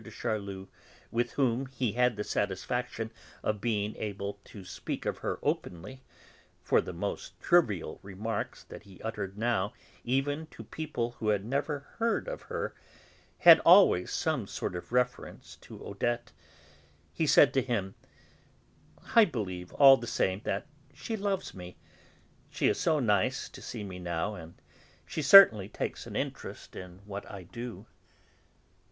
de Charlus, with whom he had the satisfaction of being able to speak of her openly (for the most trivial remarks that he uttered now, even to people who had never heard of her, had always some sort of reference to Odette), he said to him: "I believe, all the same, that she loves me; she is so nice to me now, and she certainly takes an interest in what I do."